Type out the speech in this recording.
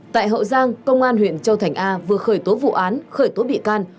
tại hậu giang công an huyện châu thành a vừa khởi tố vụ án khởi tố bị can